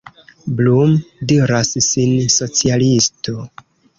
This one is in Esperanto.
Blum diras sin socialisto.